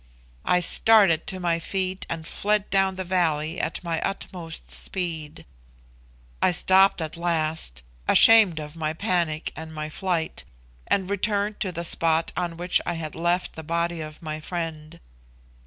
I started to my feet and fled down the valley at my utmost speed. I stopped at last, ashamed of my panic and my flight, and returned to the spot on which I had left the body of my friend.